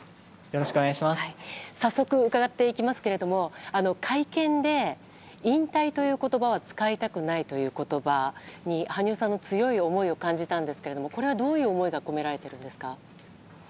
早速伺っていきますけれども会見で、引退という言葉は使いたくないという言葉に羽生さんの強い思いを感じたんですけどもこれはどういう思いが込められているんですか？